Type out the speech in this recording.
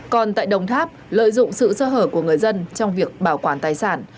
còn tại đồng tháp lợi dụng sự sơ hở của người dân trong việc bảo quản tài sản